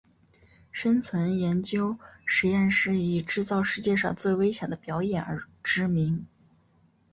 生存研究实验室以制造世界上最危险的表演而知名。